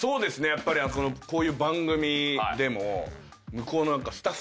やっぱりこういう番組でも。